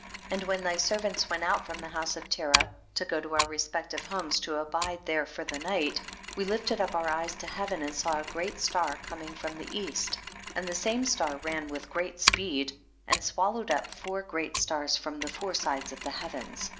10. And when thy servants went out from the house of Terah, to go to our respective homes to abide there for the night, we lifted up our eyes to heaven, and we saw a great star coming from the cast, and the same star ran with great speed, and 20 THE BOOK OF JASHER. swallowed up four great stars, from the four sides of the heavens.